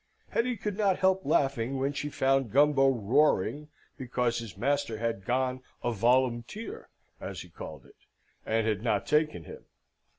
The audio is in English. Hetty could not help laughing when she found Gumbo roaring because his master had gone a volumteer, as he called it, and had not taken him.